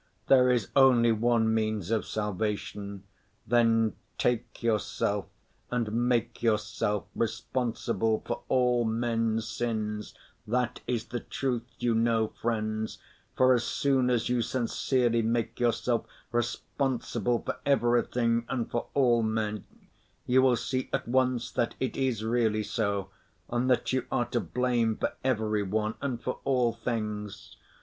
There is only one means of salvation, then take yourself and make yourself responsible for all men's sins, that is the truth, you know, friends, for as soon as you sincerely make yourself responsible for everything and for all men, you will see at once that it is really so, and that you are to blame for every one and for all things.